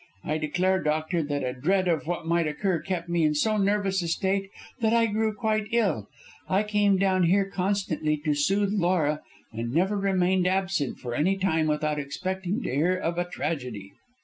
I declare, doctor, that a dread of what might occur kept me in so nervous a state that I grew quite ill. I came down here constantly to soothe Laura, and never remained absent for any time without expecting to hear of a tragedy."